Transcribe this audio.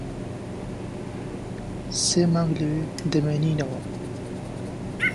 سێ مانگ لەوێ دەمێنینەوە.